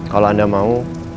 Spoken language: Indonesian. kalau anda mau